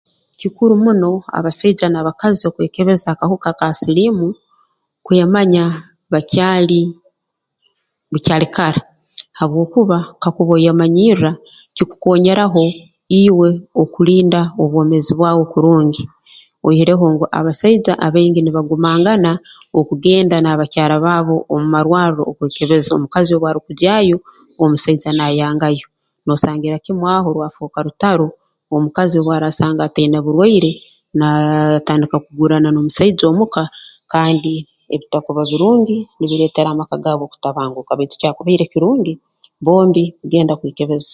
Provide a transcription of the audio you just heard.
Kikuru muno abasaija n'abakazi okwekebeza akahuka ka siliimu kwemanya bakyali bukyali kara habwokuba kakuba oyemanyirra kikukonyeeraho iwe okulinda obwomeezi bwawe kurungi oihireho ngu abasaija abaingi nibagumangana okugenda n'abakyara baabo omu marwarro okwekebeza omukazi obu arukugyayo omusaija naayangayo noosangira kimu aho rwafooka rutaro omukazi obu araasanga ataina burwaire naaatandika kuguurana n'omusaija omuka kandi ebitakuba birungi nibireetera amaka gaabo kutabanguka baitu kyakubaire kirungi bombi kugenda kwekebeza